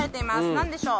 何でしょう？